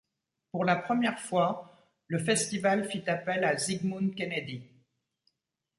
Pour la première fois, le Festival fit appel à Sigmund Kennedy.